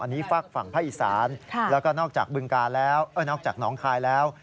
อันนี้ฝั่งภายอิสรานแล้วก็นอกจากน้องคลายแล้ว